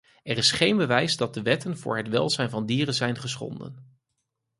Er is geen bewijs dat de wetten voor het welzijn van dieren zijn geschonden.